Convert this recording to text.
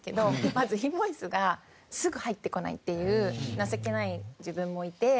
まずインボイスがすぐ入ってこないっていう情けない自分もいて。